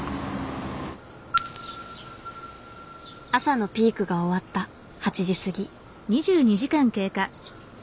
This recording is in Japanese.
朝のピークが終わった８時過ぎ。